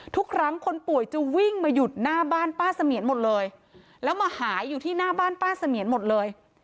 ทุกครั้งคนป่วยจะวิ่งมาหยุดหน้าบ้านป้าเสมียนหมดเลยแล้วมาหายอยู่ที่หน้าบ้านป้าเสมียนหมดเลย